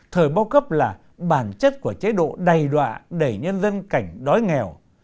thời bao cấp là bản chất của chế độ đầy đạ đẩy nhân dân cảnh đói nghèo